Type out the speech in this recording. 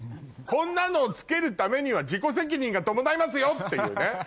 こんなのを着けるためには自己責任が伴いますよっていうね。